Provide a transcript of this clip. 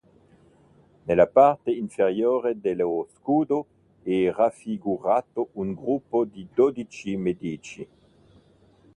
Nella parte inferiore dello scudo è raffigurato un gruppo di dodici medici.